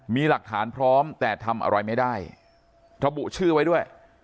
มีหลักฐานพร้อมแต่ทำอะไรไม่ได้ระบุชื่อไว้ด้วย